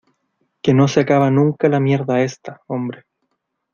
que no se acaba nunca la mierda esta, hombre.